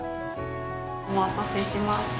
お待たせしました。